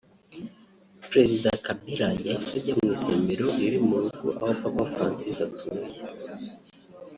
Perezida Kabila yahise ajya mu isomero riri mu rugo aho Papa Francis atuye